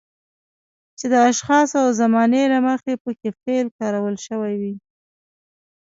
چې د اشخاصو او زمانې له مخې پکې فعل کارول شوی وي.